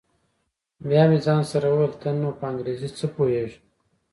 بيا مې ځان سره وويل ته نو په انګريزۍ څه پوهېږې.